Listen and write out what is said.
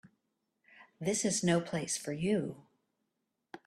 This is no place for you.